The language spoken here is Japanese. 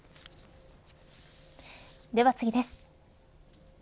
では次です。